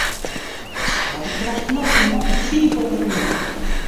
It fraudebedrach kin oprinne oant fier boppe it miljoen.